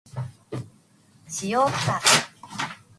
使用不可。